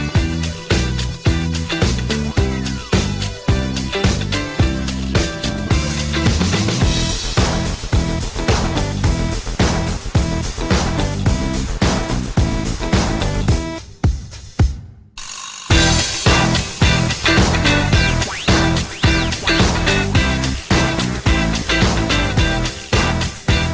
โปรดติดตามตอนต่อไป